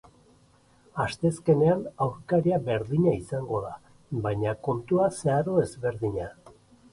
Asteazkenean aurkaria berdina izango da, baina kontua zeharo ezberdina.